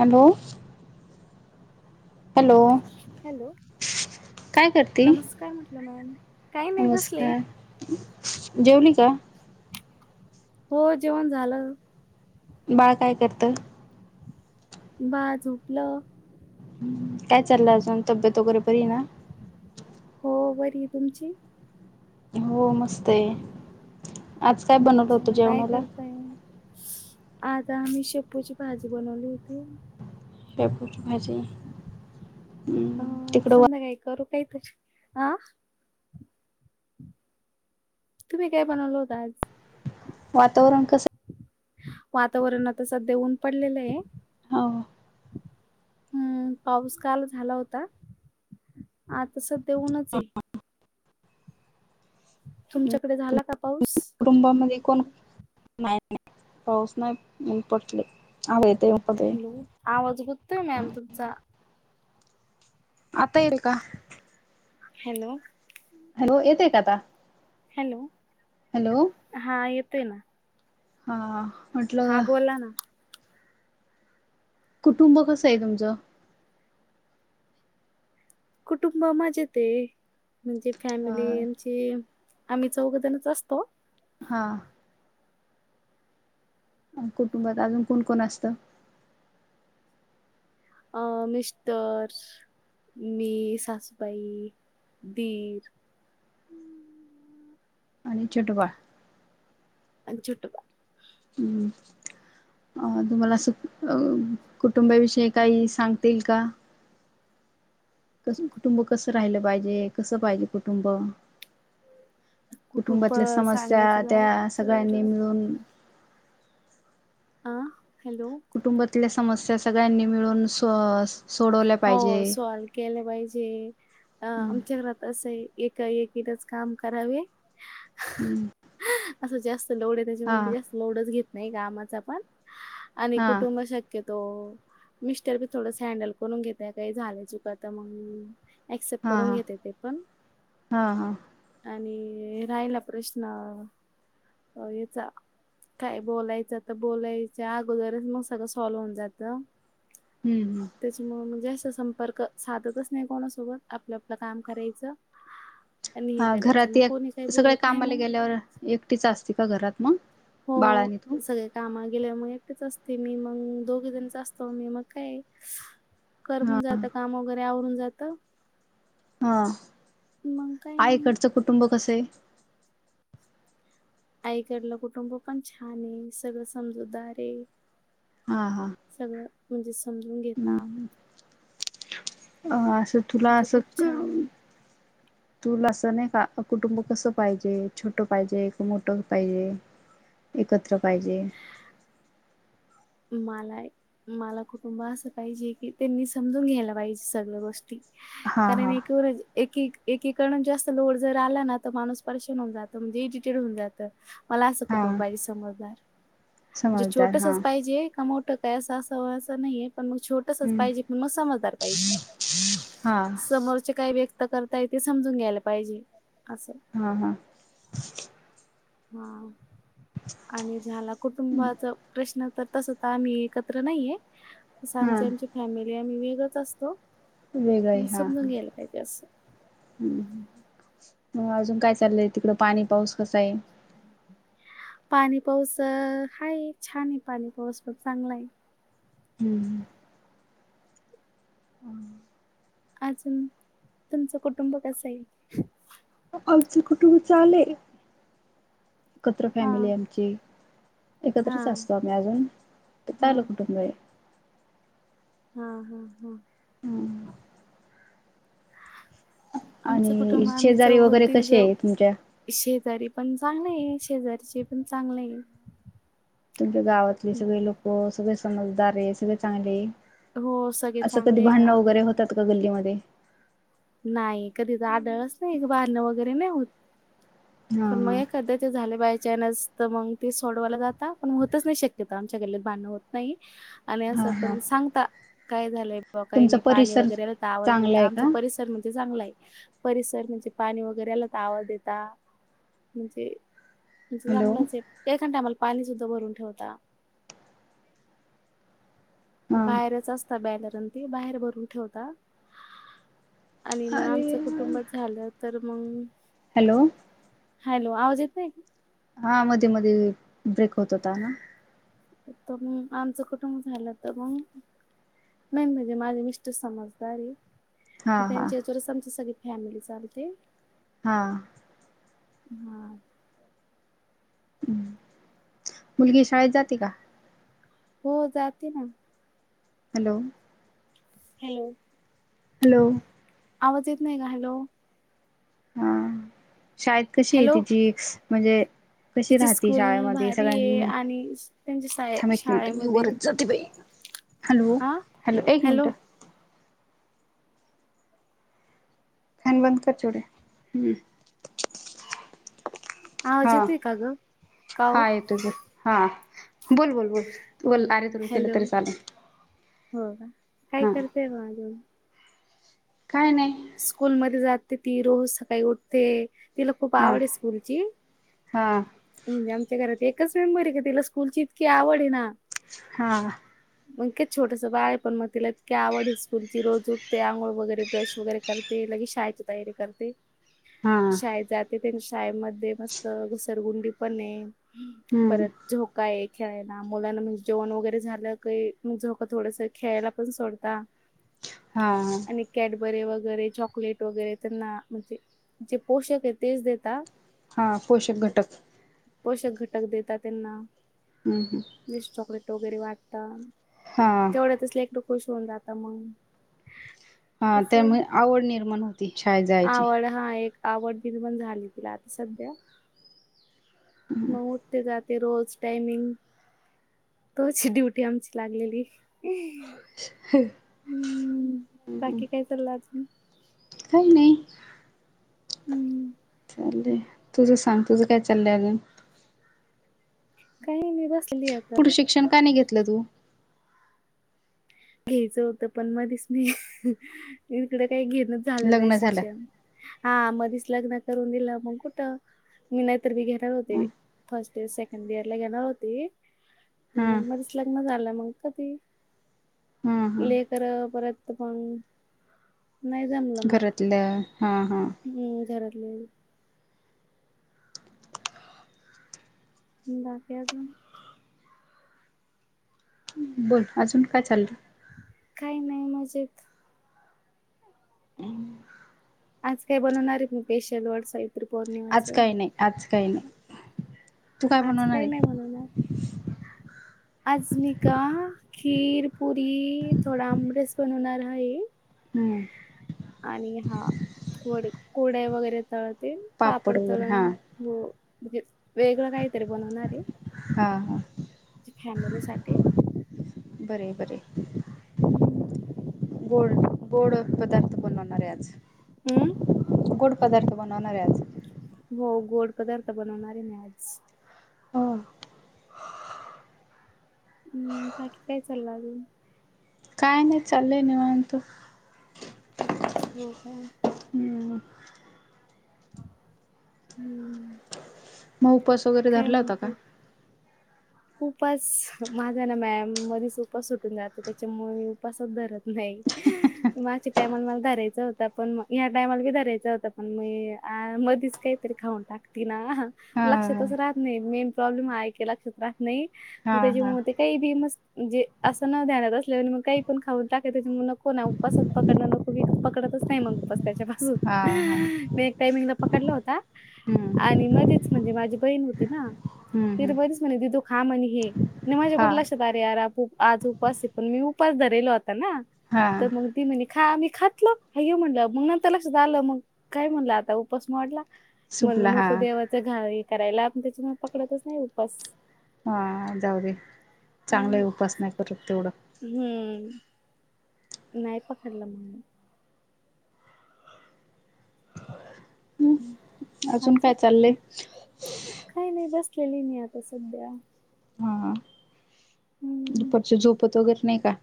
Hello hello hello काय करते नमस्कार म्हटलं म्हंटलं मॅम. काही नाही बसले नमस्कार जेवली का? हो जेवण झालं. बाळ काय करत? बाळ झोपल. काय चाललं अजून तब्येत वगैरे बरी ना. हो बरी तुमची? हो मस्त आहे आज काय बनवलं होतं अच्छा काय जेवणाला? करताय आज आम्ही शेपूची भाजी बनवली होती. शेपूची भाजी हम्म तिकडं काही तर आ. तुम्ही काय बनवलं होत आज? वातावरण कसं? वातावरण आता सध्या ऊन पडलेलं आहे. हो. हम्म पाऊस काल झाला होता आता सध्या ऊनच आहे. तुमच्याकडे झाला का पाऊस? कुटुंबामध्ये कोण नाही पाऊस नाही ऊन पडलं आवत हॅलो आवाज गततो मॅम तुमचा. आता येईल का? हॅलो. हॅलो येतोय का आता. हॅलो हॅलो हा येतोय ना. हा. हा म्हटलं बोला ना. कुटुंब कसं आहे तुमचं? कुटुंब मजेत आहे म्हणजे फॅमिली अ आमची आम्ही चौघजणचं असतो. हा. अ कुटुंबात अजून कोण कोण असतं. अं मिस्टर मी, साासबाई, दिर आणि छोटुबाळ. अन छोटुबाळ. हम्म. अं तुम्हाला अस कुटुंबाविषयी काही सांगता येईल का? कस कुटुंब कसं राहिलं पाहिजे कसं पाहिजे कुटुंब? कुटुंब कुटुंबातल्या समस्या सांगायचं झालं त्या तर सगळ्यांनी मिळून आ. कुटुंबातल्या समस्या सगळ्यांनी मिळून सो सोडवल्या हो पाहिजे. स्वाल केलं पाहिजे अ हम्म आमच्या घरात असं आहे. एका एकीनेच काम करावे. हम्म. असं जास्त लोड आहे त्याच्या मी जास्त लोडच घेत नाही कामाच पण आणि हा कुटुंब शक्य तो मिस्टर बी थोडस हँडल करून घेतय काही झालंय चुक तर मग ऍक्सेप्ट हा करून हा घेते ते पण हा हा आणि ते राहिला प्रश्न याचा काय बोलायचं तर बोलायचा अगोदरच मग सगळं सॉल्व होऊन जातं. हम्म हम्म. त्याच्यामुळ म्हणजे अस संपर्क साधतच नाही कोणासोबत आपलं आपलं काम करायचं. आणि हे हा करायचं घरात मग ए कोणी काही सगळ्या बोलत नाही कामाला मग गेल्यावर एकटीच असती का घरात मग बाळ आणि तू. मग गेल्या मग एकटेच असते मी मग दोघे जणच असतो मी मग काय कर हा म्हणून जात काम वगैरे आवरून जात. हा नाही. आईकडचं कुटुंब कसं आहे. आईकडलं कुटुंब पण छान आहे सगळं समजूदार आहे. हा हा. सगळं म्हणजे समजून घेता. अ असं तुला म्हणजे असं खूप छान आहे तुला तसं नाही का कुटुंब कसं पाहिजे, छोटं पाहिजे का मोठं पाहिजे? एकत्र पाहिजे. मला -मला कुटुंब असं पाहिजे, की त्यांनी समजून घ्यायला पाहिजे सगळं गोष्टी. हा कारण हा एक वरच एकेक एकीकडनं जास्त लोड जर आला ना, तर माणूस परेशान होऊन जातं, म्हणजे इडिटेड होऊन जातं. मला असं हा कुटुंब पाहिजे समजदार. समजदार हा. ते का मोठं काय असं असावं असं नाहीये. पण मग छोटसंच हम्म पाहिजे पण मग समजदार पाहिजे, हा समोरच्या काही व्यक् त करताय ते समजून घ्यायला पाहिजे. असं हा हा. हा, आणि झाला कुटुंबाचं प्रश्न तर तसं तर आम्ही एकत्र नाहीये, तसं हा आमची आमची फॅमिली आम्ही वेगळच असतो. वेगळंय, मग हा हा, समजून घ्यायला पाहिजे असं हम्म हम्म. मग अजून काय चाललंय तिकडं पाणी पाऊस कसंय? पाणी पाऊस अ, हाय छान आहे पाणी पाऊस पण चांगलाय. हम्म, हम्म. हम्म. अजून तुमचं कुटुंब कसंय? आमचं कुटुंब चांगलंय, एकत्र हा फॅमिलीय आमची. हा एकत्रच असतो आम्ही अजून, तर हा चालू कुटुंब आहे. हा हा हा. हम्म. आमचं आणि कुटुंब आम्ही शेजारी चौग वगैरे तिघं कसे ज आहे तुमच्या? शेजारी पण चांगलंय, शेजारचे पण चांगलंय. तुमच्या गावातले सगळे लोकं सगळे समजदार आहे सगळे चांगले. हो सगळे असं कधी चांगले आहे भांडणं गावात. वगैरे होतात का गल्लीमध्ये? नाही कधी इथं आढळच नाही. भांडणं वगैरे नाही होत. हा पण मग एखाद्याचे झाले बाई. नसत मग ते सोडवायला जाता. पण होतच नाही शक्यतो आमच्या गल्लीत. भांडणं होत नाहीत. आणि हा हा असं हा पण सांगता. काय झालंय बा काही तुमचा नाही. पाणी परिसर वगैरेला आवाज चांगला देता आहे आमच का? तर म्हणजे चांगला आहे. परिसर म्हणजे पाणी वगैरे आला तर आवाज देता म्हणजे. म्हणजे हॅलो चांगलंच आहेत. एखाद्या टाईमला पाणी सुद्धा भरून ठेवता. हा बाहेरच असता. बॅलरन ती बाहेर भरून ठेवता. आणि मग अरे आमचं यार कुटुंब झालं तर मग हॅलो. हॅलो आवाज येत नाही? हा मध्ये-मध्ये ब्रेक होत होता ना. तर मग आमचं कुटुंब झालं तर मग. मेन म्हणजे माझे मिस्टर समजदारी. हा हा त्यांच्याजोवरच आमची सगळी फॅमिली चालते. हा. हा. मुलगी शाळेत जाते का? हो जाते ना. हॅलो. हॅलो. हॅलो. आवाज येत नाही का? हॅलो. हा शाळेत कशी हॅलो तिची म्हणजे कशी तिची राहते स्कूल शाळेमध्ये भारी सगळ्यां आहे मी आणि त्यांच्या शा [inaudible] थांब एक मिनट मी शाळेमध्ये वरच जाते बाई. हॅलो, आ हॅलो एक मिनट. फॅन बंद कर चिवडे हम्म. [inaudible] आवाज हा हा येतोय का ग का [inaudible] ओ हा येतच आहे हा. बोल बोल बोल बोल अरे तुला केलं हॅलो तरी चाल हो का? काय करतेय म अजून? काय नाही. स्कूलमध्ये जाते ती रोज सकाळी उठते तिला खूप हा आवड आहे स्कूलची. हा [inaudible] म्हणजे आमच्या घरात एक कसं हाय म [unintelligible] तिला स्कूलची इतकी आवड आहे ना? हा. मगच छोटंस बाळ आहे पण मग तिला ईतकी आवड स्कूलची रोज उठते. अंघोळ वगैरे ब्रश वगैरे करते. लगे शाळेची तयारी करते. हा [inaudible] शाळेत जाते तेन शाळेमध्ये मस्त घुसरगुंडी पण आहे. हम्म परत झोका एक खेळायला मुलां म्हणजे जेवण वगैरे झालं काही मग झो का थोडस खेळायला पण सोडता. हा. बरे वगैरे चॉकलेट वगैरे त्यांना म्हणजे जे पोषक आहे तेच देता हा पोषक घटक पोषक घटक देतात. त्यांना हम्म [inaudible] जे चॉकलेट वगैरे वाटता. हा तेवढ्या तसले एकटं खुश होऊन जात मग. हा तसं त्यामुळे आवड निर्माण होती. शाळेत जायची. आवड हा एक आवड निर्माण झाली तिला आता सध्या [inaudible] मग ते जात ते रोज टायमिंग, तोची ड्युटी आमची लागलेली. [unintelligible] हम्म, बाकी काय चाललं अजून? काही नाही. हम्म. [unintelligible] तुझं सांग, तुझं काय चाललंय अजून? काही नाही बस पुढं शिक्षण का नाही घेतलं तू? घ्यायचं होतं पण मधीच मी, हिकडं काय घेत नच झालं नाही लग्न शिक्षण, झालं हा मधीच लग्न करून दिलं मग कुठं मी नाहीतर बी घेणार होते, फर्स्ट इयर, सेकंड इयर ला घेणार होते. पण हा मग मधीच लग्न झालं, मग कधी? हम्म हम्म लेकरं परत मग नाही जमलं मग, घरातल्या हा हा हम्म, घरातले बाकी अजून? बोल अजून काय चाललं? काही नाही मजेत. हम्म. आज काय बनवणार आहे पेशल [unintelligible] आज काही नाही, आज काही नाही. तू काय आज बनवणार काही नाही आहे? बनवणार? आज मी का, खीर, पुरी थोडा आमरस बनवणार हाय. हम्म. आणि हा कुरड्या वगैरे. तळते, पापड वगैरे तळण हा हो. म्हणजे वेगळं काहीतरी बनवणार आहे. हा. हा. फॅमिली साठी बर बर. हम्म गोड-गोड पदार्थ बनवणार आहे आज. हम्म. गोड पदार्थ बनवणार हाय आज. हो गोड पदार्थ बनवणारे मी आज. हो. हम. बाकी काय चालय आजुन. काय नाही चालय निवांत. हो का. ह. हम्म. मग उपवास वगैरे काय धरला होता म्हणतात का? उपास माझा ना मॅम मधच उपास सुटून जातो. त्याच्यामुळे मी उपासच धरत नाही. मागच्या टायमाला मला धरायच होता. पण ह्या टायमाला धरायचा होता पण. मि धरलाय मध्येच काहीतरी खाऊन टाकते ना. हा लक्षातच राहत नाही. मेन प्रॉब्लेम आहे. की लक्षात राहत नाही. हा मग हा त्याच्यामुळे ते काही बी. मस्त म्हजे असं नण्यात. मग काही पण खाऊ टाक. नको ना उपासात पकडण नको पकडतच नाही मगप. त्याच्या बाजून हा हा मी एक टाइमिंगला पकडला होता. हम्म आणि मध्येच म्हणजे माझी बहीण होती ना. हम्म ति हम्म मधच म्हणे दिदु खा म्हण हे. हा माझ्याकडून लक्षात आरे यार आज उपास आहे. पण मी उपास धरेलो होता. ना हा तर म्हणती [unintelligible] खा मी खातलो हायो म्हणलं, मग नंतर लक्षात आलं मग काय म्हणलं आता उपास मोडला. म्हणलं सुपला हा नको देवाच घा हे करायला, त्याच्यानं पकडतच नाही उपास. हा जाऊ दे चांगलं उपास नाही, करत तेवढं. हम. नाही पकडला मग. हम अजून काय चाललंय? केली नाही, आता सध्या. हा हम्म दुपारच झोपत वगैरे नाही का?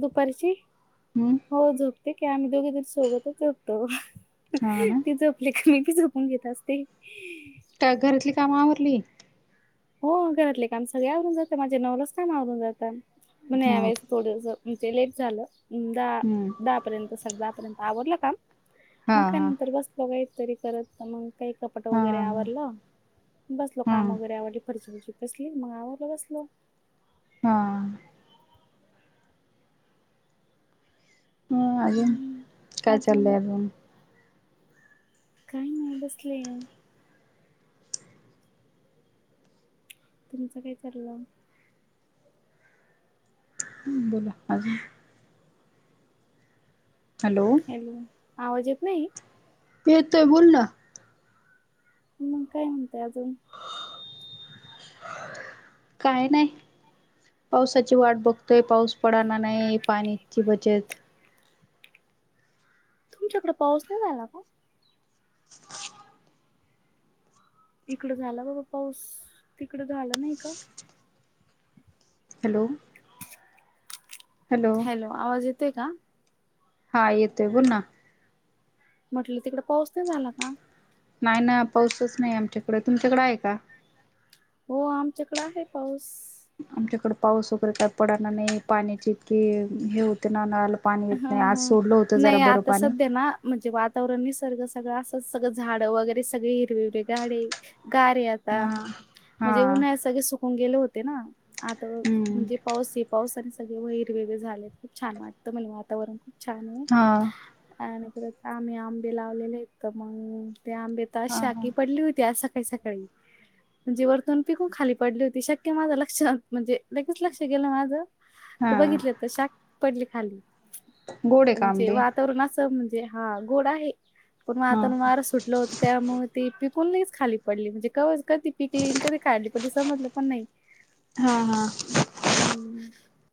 दुपारीची हम्म हो झोपते, की आम्ही दोघी जण सोबतच झोपतो. हा ना ती झोपली की मी पण झोपून घेत असते. का घरातली काम आवरली? हो, घरातले काम सगळे आवरून जातं, माझे नऊलाचं काम आवरून जातं म्हण हा यावेळेस थोडंस म्हणजे लेट झालं दहा हम्म दहा पर्यंत स दहा पर्यंत आवरलं काम. हा मग काय हा नंतर बसलो, काही तरी करत मग काही कपाट वगैरे हा आवरलं बसलो, हा काम वगैरे आवरल जी कसली मग आवरलं बसलो. हा. हा, अजून हम्म काय चाललंय अजून? काही नाही बसले. तुमचं काय चाललं? बोला अजून. हॅलो! आवाज येत नाही. येतोय बोल ना. मग काय म्हणताय अजून? काय नाही. पावसाची वाट बघतोय. पाऊस पडना नाही. पाण्याची बचत. तुमच्याकडे पाऊस नाही झाला का? इकडं झाला बाबा पाऊस.. तिकड झालं नाही का? हॅलो. हॅलो आवाज येते का? हा येतोय बोल ना. म्हटलं तिकड पाऊस नाही झाला का? नाही ना.. पाऊसच नाही आमच्याकडे. तुमच्याकडें आहे का? हो आमच्याकडे आहे पाऊस. आमच्याकडे पाऊस वगैरे काय पडना नाही. पाण्याची इतकी हे होते ना नळाला- पाणी हा. येत नाही आज हा. सोडलं होतं जरा नाही बरं आता पाणी सध्या ना. म्हणजे वातावरण. निसर्ग सगळं. अस सगळं झाड वगैरे सगळे. हिरवे-हिरवे झाडे. गार ये आता. हा हा म्हणजे उन्हाळ्यात सगळे सुकून गेले होते ना. आता हम्म म्हणजे पाऊस हे पाऊस आणि सगळे हिरवगरे झाले खूप छान वाटतं म्हणजे वातावरण. छान आहे. हा अ-परत आम्ही आंबे लावलेले आहेत तर मग. त्या आंब्याेत हा हा शाकी पडली होती. आज सकाळी-सकाळी. म्हणजे वरतून पिकून खाली पडली होती. शक्य माझं लक्षात म्हणजे लगे-लक्ष गेलं माझं. तर बघितलं हा तर शाक पडली खाली. गोड आहे का म्हणजे आंबे वातावरण अस. म्हणजे हा गोड आहे. पण मग हा आता वार सुटल होत त्यामुळे ते पी पिकून खाली पडली. म्हणजे क कधी पिकली. आणि कधी काढली पडली समजलं पण नाही. हा हा [inaudible] हम्म.